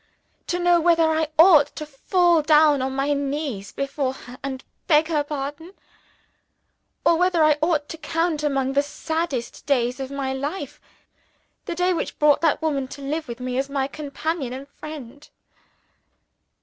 to know whether I ought to fall down on my knees before her and beg her pardon? or whether I ought to count among the saddest days of my life the day which brought that woman to live with me as companion and friend?